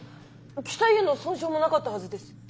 機体への損傷もなかったはずです。